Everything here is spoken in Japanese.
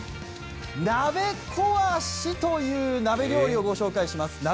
鍋壊しという鍋料理をご紹介します。